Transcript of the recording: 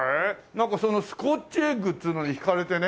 なんかそのスコッチエッグっていうのに引かれてね。